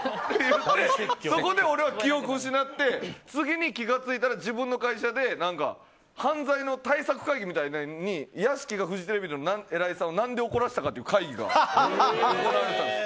そこで俺は記憶を失って次に気が付いたら、自分の会社で犯罪の対策会議みたいなので屋敷はフジテレビの偉いさんを何で怒らせたかっていう会議が行われてたんです。